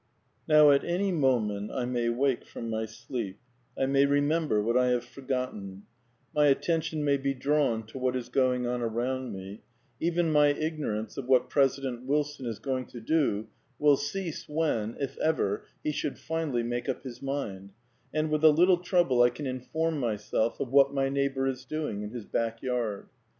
Now at any moment I may wake from my sleep, I may remember what I have forgotten, my attention may be drawn to what is going on around me, even my ignorance of what President Wilson is going to do will cease when, if ever, he should finally make up his mind, and with a little trouble I can inform myself of what my neighbour is doing in his back garden.